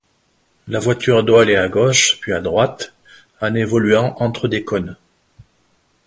La voiture doit aller à gauche puis à droite, en évoluant entre des cônes.